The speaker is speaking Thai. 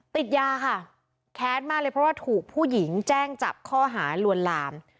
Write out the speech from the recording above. ติดยาค่ะแค้นมากเลยเพราะว่าถูกผู้หญิงแจ้งจับข้อหาลวนลาม